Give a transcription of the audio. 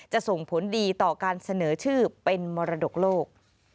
ส่งผลดีต่อการเสนอชื่อเป็นมรดกโลก